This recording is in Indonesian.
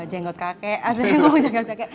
jenggot kakek aslinya ngomong jenggot kakek